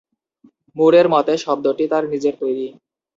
মুরের মতে শব্দটি তার নিজের তৈরি।